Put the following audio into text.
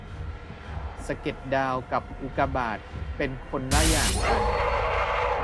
สะเก็ดดาวกับอุกาบาตเป็นคนละอย่างกัน